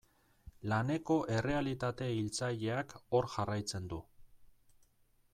Laneko errealitate hiltzaileak hor jarraitzen du.